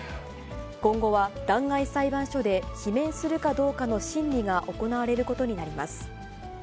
今後は弾劾裁判所で、罷免するかどうかの審理が行われることになります。